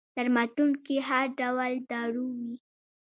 درملتون کي هر ډول دارو وي